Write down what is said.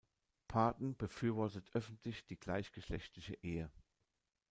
Parton befürwortet öffentlich die gleichgeschlechtliche Ehe.